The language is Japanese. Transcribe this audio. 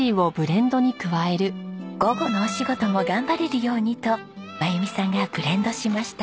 午後のお仕事も頑張れるようにと真由美さんがブレンドしました。